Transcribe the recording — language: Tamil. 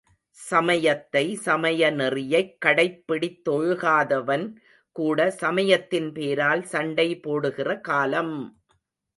சமயத்தை சமய நெறியைக் கடைப்பிடித்தொழுகாதவன் கூட சமயத்தின் பேரால் சண்டைபோடுகிற காலம்!